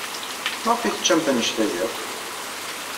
Maɣef ay teččamt anect-a akk?